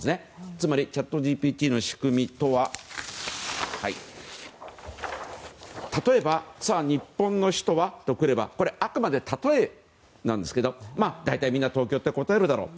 つまり、チャットＧＰＴの仕組みとは例えば、「日本」「の」「首都」「は」とくればあくまで、たとえなんですけど大体みんな東京って答えるだろう。